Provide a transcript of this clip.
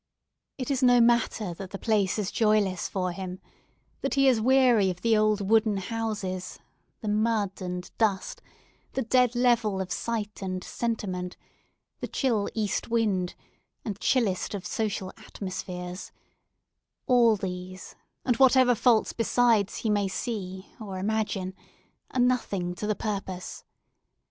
It is no matter that the place is joyless for him; that he is weary of the old wooden houses, the mud and dust, the dead level of site and sentiment, the chill east wind, and the chillest of social atmospheres;—all these, and whatever faults besides he may see or imagine, are nothing to the purpose.